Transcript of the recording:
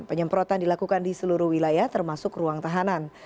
penyemprotan dilakukan di seluruh wilayah termasuk ruang tahanan